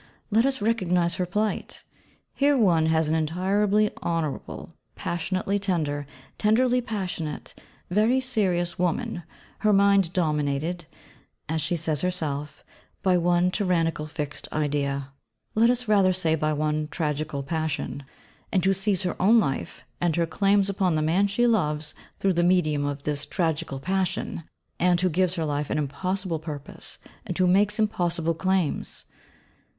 Let us recognise her plight. Here one has an entirely honourable, passionately tender, tenderly passionate, very serious woman, her mind dominated (as she says herself) by one tyrannical fixed idea; let us rather say by one tragical passion; and who sees her own life, and her claims upon the man she loves through the medium of this tragical passion: and who gives her life an impossible purpose; and who makes impossible claims.